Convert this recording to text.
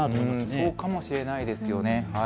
そうかもしれないですよね。